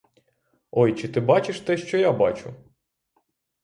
Ой, чи ти бачиш те, що я бачу?